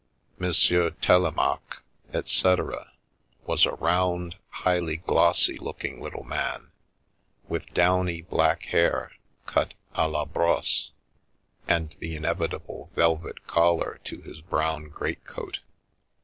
Monsieur Telemaque, etc., was a round, highly glossy looking little man with downy black hair cut d la brosse, and the inevitable velvet collar to his brown greatcoat.